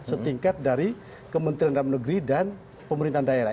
setingkat dari kementerian dalam negeri dan pemerintahan daerah